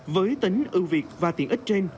với tính ưu việt và tiện ích trên